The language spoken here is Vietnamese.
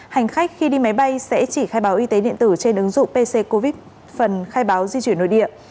hành khách khi đi máy bay sẽ chỉ khai báo y tế điện tử trên ứng dụng pc covid phần khai báo di chuyển nội địa